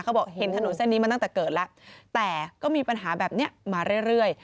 เขาบอกเห็นถนนเส้นนี้มาตั้งแต่เกิดแล้วแต่ก็มีปัญหาแบบนี้มาเรื่อย